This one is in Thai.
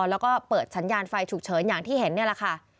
แล้วก็เปิดสัญญาณไฟฉุกเฉินอย่างที่เห็นนี่แหละค่ะ